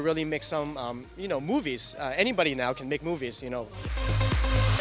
semua orang sekarang bisa membuat film